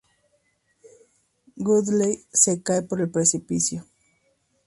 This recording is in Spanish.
Woodley se cae por el precipicio.